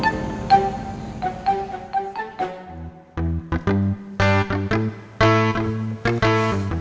anak kecil yang di pacarin